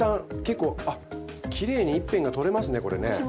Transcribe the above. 結構あきれいに一片が取れますねこれね。